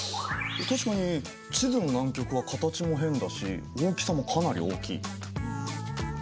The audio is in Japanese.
確かに地図の南極は形も変だし大きさもかなり大きい。